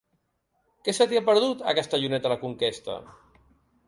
Què se t'hi ha perdut, a Castellonet de la Conquesta?